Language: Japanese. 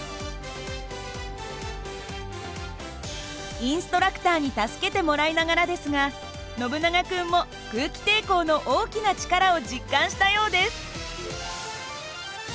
インストラクターに助けてもらいながらですがノブナガ君も空気抵抗の大きな力を実感したようです。